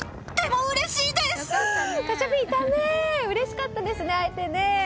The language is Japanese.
うれしかったですね会えてね。